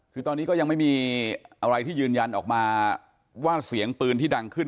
คือตอนนี้ก็ยังไม่มีอะไรที่ยืนยันออกมาว่าเสียงปืนที่ดังขึ้น